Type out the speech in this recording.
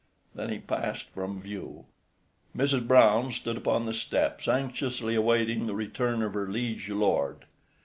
Then he passed from view. III Mrs. Brown stood upon the steps anxiously awaiting the return of her liege lord.